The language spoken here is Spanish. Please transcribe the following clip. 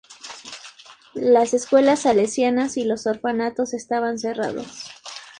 Las escuelas salesianas y los orfanatos estaban cerrados.